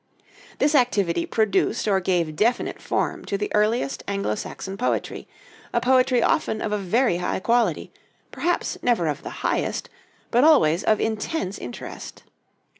This activity produced or gave definite form to the earliest Anglo Saxon poetry, a poetry often of a very high quality; perhaps never of the highest, but always of intense interest.